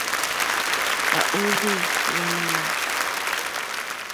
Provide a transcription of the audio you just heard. À óhwì hwálánà.